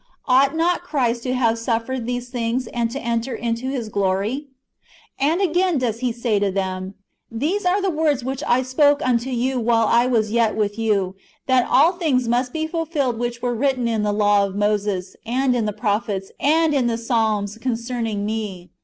Ought not Christ to have suffered these things, and to enter into His glory ?"^ And again does He say to them :" These are the words which I spake unto you while I was yet with you, that all thino;s must be fulfilled which were written in the law of Moses, and in the prophets, and in the Psalms, concerning me.